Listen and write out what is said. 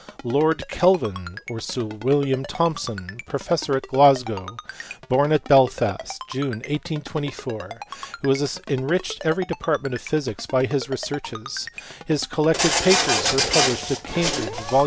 Lord Kelvin (Sir William Thomson), professor at Glasgow, born at Belfast in June, 1824, who has enriched every depart ment of physics by his researches : his collected papers were published at Cambridge, vol.